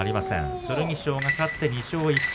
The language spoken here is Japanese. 剣翔、勝って２勝１敗。